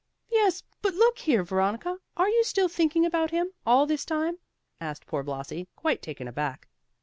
"Yes, but look here, Veronica, are you still thinking about him, all this time?" asked poor Blasi, quite taken aback.